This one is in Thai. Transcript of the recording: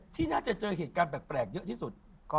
ที่น่าจะเจอเหตุการณ์แปลกเยอะที่สุด